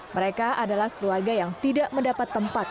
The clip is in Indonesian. mereka adalah keluarga yang tidak mendapat tempat